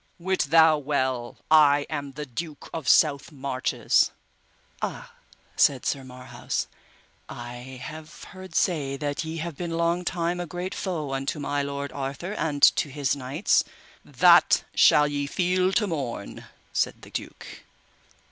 Wit thou well I am the Duke of South Marches. Ah, said Sir Marhaus, I have heard say that ye have been long time a great foe unto my lord Arthur and to his knights. That shall ye feel to morn, said the duke.